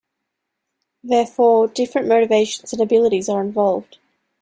Therefore, different motivations and abilities are involved.